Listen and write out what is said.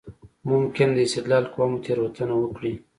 ممکن د استدلال قوه مو تېروتنه وکړي.